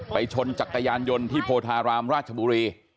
ชนจักรยานยนต์ที่โพธารามราชบุรี